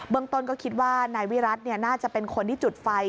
เมืองต้นก็คิดว่านายวิรัติน่าจะเป็นคนที่จุดไฟ